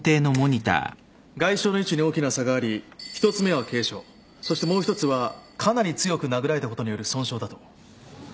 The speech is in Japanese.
外傷の位置に大きな差があり１つ目は軽傷そしてもう一つはかなり強く殴られたことによる損傷だと。